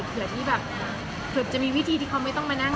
เผื่อที่แบบเกือบจะมีวิธีที่เขาไม่ต้องมานั่ง